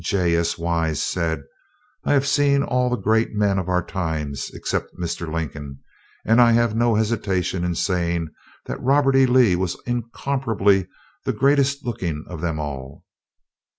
J. S. Wise said, "I have seen all the great men of our times, except Mr. Lincoln, and I have no hesitation in saying that Robert E. Lee was incomparably the greatest looking of them all."